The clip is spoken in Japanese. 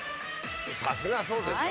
さすがそうですよ